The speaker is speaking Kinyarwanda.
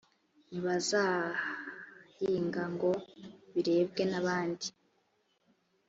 ntibazahinga ngo biribwe n’abandi